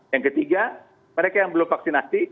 yang ketiga mereka yang belum vaksinasi